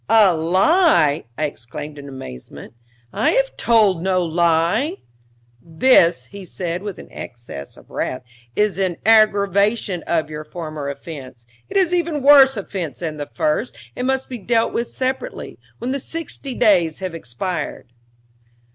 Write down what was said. "A lie!" I exclaimed in amazement. "I have told no lie!" "This," said he, with an access of wrath, "is an aggravation of your former offense. It is even a worse offense than the first, and must be dealt with separately when the sixty days have expired."